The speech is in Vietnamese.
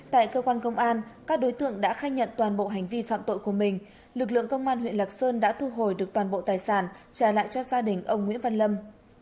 tại cơ quan công an các đối tượng đã khai nhận toàn bộ hành vi phạm tội của mình lực lượng công an huyện lạc sơn đã thu hồi được toàn bộ tài sản trả lại cho gia đình ông nguyễn văn lâm